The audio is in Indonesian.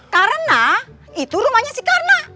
karena itu rumahnya si karna